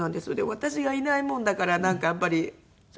私がいないもんだからなんかやっぱりねえ。